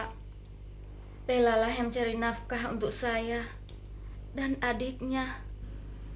dan itu adalah saya yang mencari nafkah untuk saya dan ayahnya tidak ada di dalam saya betul pak